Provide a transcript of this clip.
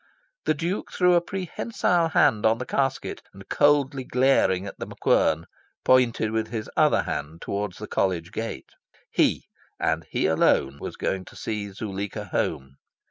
The Duke threw a prehensile hand on the casket, and, coldly glaring at The MacQuern, pointed with his other hand towards the College gate. He, and he alone, was going to see Zuleika home.